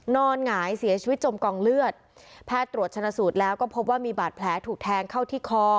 หงายเสียชีวิตจมกองเลือดแพทย์ตรวจชนะสูตรแล้วก็พบว่ามีบาดแผลถูกแทงเข้าที่คอ